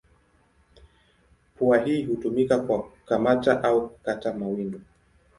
Pua hii hutumika kwa kukamata na kukata mawindo.